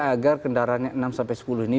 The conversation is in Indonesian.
agar kendaraan yang enam sepuluh ini